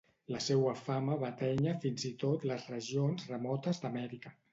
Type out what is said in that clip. La seua fama va atènyer fins i tot les regions remotes d'Amèrica.